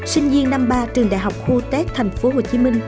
sinh viên năm ba trường đại học khu tết tp hcm